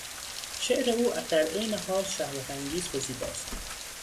شعر او در عین حال شهوتانگیز و زیباست.